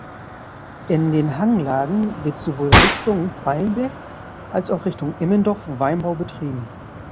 In den Hanglagen wird sowohl Richtung Mailberg als auch Richtung Immendorf Weinbau betrieben.